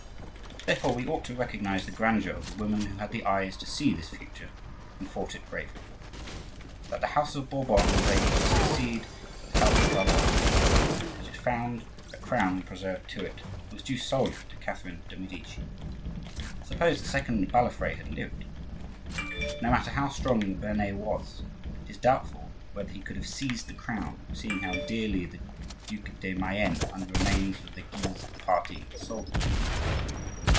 Therefore we ought to recognize the grandeur of the woman who had the eyes to see this future and fought it bravely. That the house of Bourbon was able to succeed to the house of Valois, that it found a crown preserved to it, was due solely to Catherine de' Medici. Suppose the second Balafre had lived? No matter how strong the Bearnais was, it is doubtful whether he could have seized the crown, seeing how dearly the Duc de Mayenne and the remains of the Guise party sold it to him.